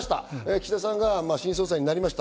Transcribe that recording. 岸田さんが新総裁になりました。